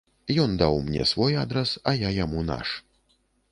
Ён даў мне свой адрас, а я яму наш.